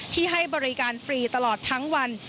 ให้บริการฟรีตลอดทั้งวัน